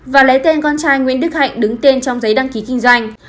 và lấy tên con trai nguyễn đức hạnh đứng tên trong giấy đăng ký kinh doanh